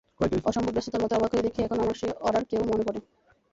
অসম্ভব ব্যস্ততার মধ্যে অবাক হয়ে দেখি, এখনো আমার সেই অডার-কেই মনে পড়ে।